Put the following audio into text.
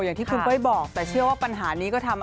อย่างที่คุณเป้ยบอกแต่เชื่อว่าปัญหานี้ก็ทำ